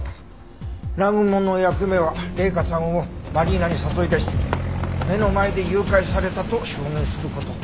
南雲の役目は麗華さんをマリーナに誘い出して目の前で誘拐されたと証言する事。